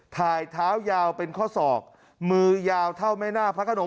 เท้ายาวเป็นข้อศอกมือยาวเท่าแม่หน้าพระขนง